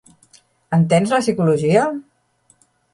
Entens la psicologia?